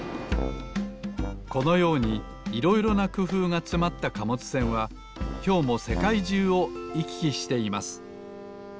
このようにいろいろなくふうがつまった貨物船はきょうもせかいじゅうをいききしています